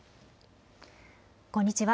こんにちは。